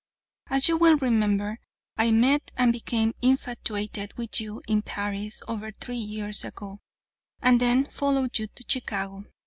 "'As you will remember, I met and became infatuated with you in Paris over three years ago, and then followed you to Chicago.